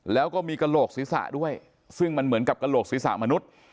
แล้วก็มีกระโหลกศีรษะด้วยซึ่งมันเหมือนกับกระโหลกศีรษะมนุษย์